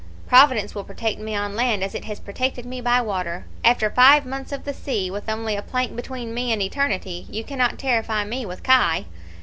Providence will protect me on land, as it has protected me by water. After five months of the sea, with only a plank between me and eternity, you cannot terrify me with kye.'